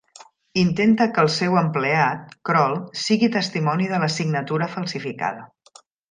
Intenta que el seu empleat, Croll, sigui testimoni de la signatura falsificada.